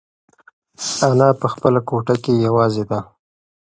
انا په خپله کوټه کې یوازې ده.